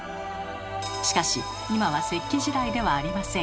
しかし今は石器時代ではありません。